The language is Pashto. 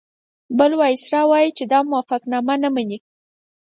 بل وایسرا ووایي چې دا موافقتنامه نه مني.